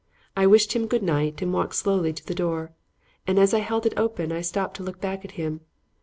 I wished him "good night" and walked slowly to the door, and as I held it open I stopped to look back at him.